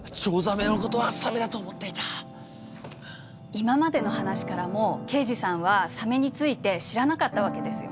今までの話からも刑事さんはサメについて知らなかったわけですよね？